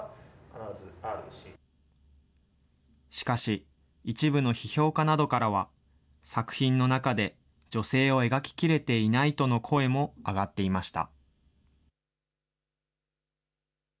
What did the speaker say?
しかし、一部の批評家などからは、作品の中で女性を描き切れていないとの声も上がっていました。